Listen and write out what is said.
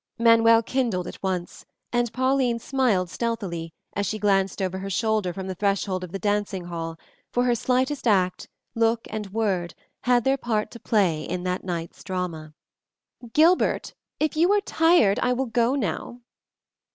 Manuel kindled at once, and Pauline smiled stealthily as she glanced over her shoulder from the threshold of the dancing hall, for her slightest act, look, and word had their part to play in that night's drama. "Gilbert, if you are tired I will go now."